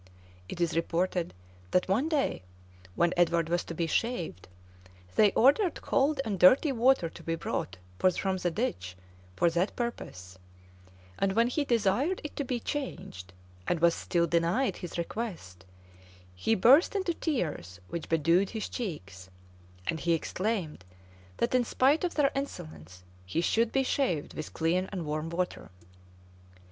[] It is reported, that one day, when Edward was to be shaved, they ordered cold and dirty water to be brought from the ditch for that purpose; and when he desired it to be changed, and was still denied his request, he burst into tears which bedewed his cheeks; and he exclaimed, that in spite of their insolence, he should be shaved with clean and warm water.